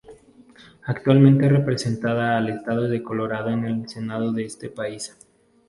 Actualmente representada al estado de Colorado en el Senado de ese país.